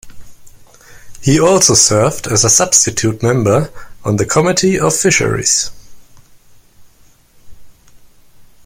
He also served as a substitute member on the Committee on Fisheries.